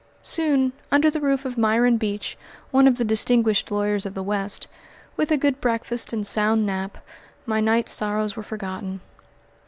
Soon, under the roof of Myron Beach, one of the distinguished lawyers of the West, with a good breakfast and sound nap, my night's sorrows were forgotten.